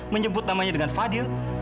menyebut namanya dengan fadil